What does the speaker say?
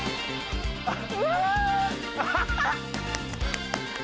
うわ！